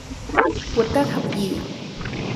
活得合意